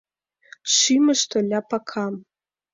Шӱмыштӧ — ляпака.